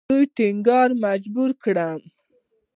د دوی ټینګار مجبوره کړم.